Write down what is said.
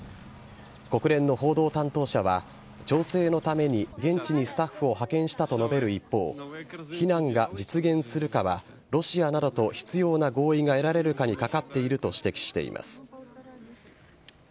国連の報道担当者は調整のために現地にスタッフを派遣したと述べる一方避難が実現するかはロシアなどと必要な合意が得られるかにかかっていると指摘しています。